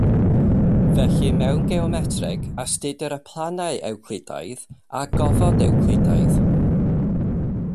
Felly, mewn geometreg, astudir y planau Ewclidaidd a gofod Ewclidaidd.